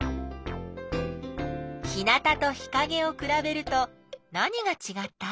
日なたと日かげをくらべると何がちがった？